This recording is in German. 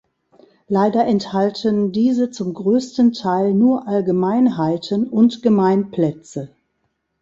Leider enthalten diese zum größten Teil nur Allgemeinheiten und Gemeinplätze.